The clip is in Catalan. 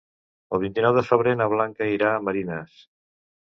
El vint-i-nou de febrer na Blanca irà a Marines.